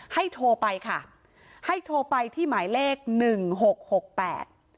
โทรไปค่ะให้โทรไปที่หมายเลขหนึ่งหกหกแปด